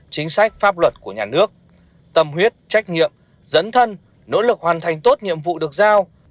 chính sách pháp luật của nhà nước tâm huyết trách nhiệm dẫn thân nỗ lực hoàn thành tốt nhiệm vụ được giao